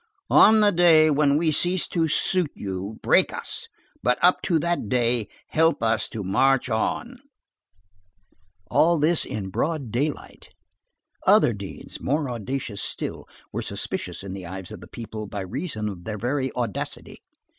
—"On the day when we cease to suit you, break us, but up to that day, help us to march on." All this in broad daylight. Other deeds, more audacious still, were suspicious in the eyes of the people by reason of their very audacity.